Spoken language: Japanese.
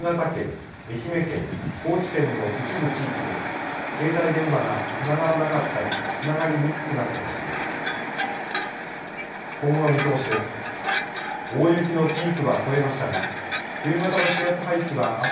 高知県の一部地域で携帯電話がつながらなかったりつながりにくくなったりしています。